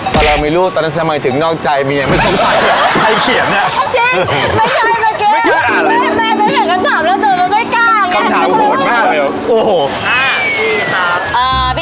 ตอนเรามีลูกตอนนั้นแสงมายถึงนอกใจเมียไม่จะตรงใครเขียบแล้ว